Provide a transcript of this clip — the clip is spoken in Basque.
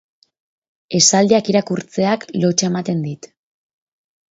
Esaldiak irakurtzeak lotsa ematen dit.